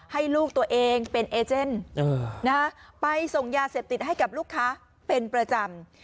ให้ลูกตัวเองเป็นเอเจนไปส่งยาเสพติดให้กับลูกค้าเป็นประจำ